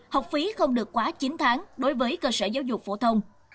học phí không được quá chín tháng đối với cơ sở giáo dục phổ thông